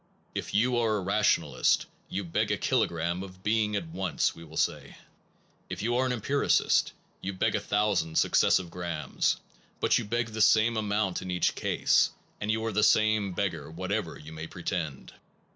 If you are a rationalist a11 you beg a kilogram of being at once, we will say; if you are an empiricist you beg a thousand successive grams; but you beg the same amount in each case, and you are the same beggar whatever you may pretend.